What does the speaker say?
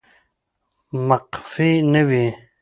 مقفي نه وي